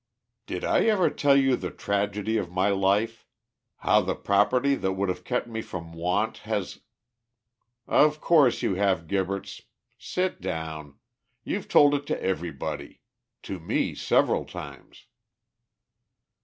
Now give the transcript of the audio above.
"Did I ever tell you the tragedy of my life? How the property that would have kept me from want has " "Of course you have, Gibberts. Sit down. You've told it to everybody. To me several times."